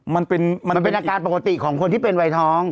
มันเป็นอาการปกติของคนที่เป็นวัยท้อง